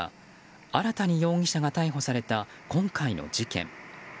新たに容疑者が逮捕された今回の事件。